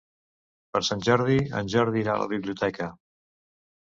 Per Sant Jordi en Jordi irà a la biblioteca.